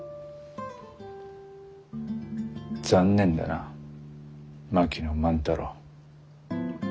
残念だな槙野万太郎。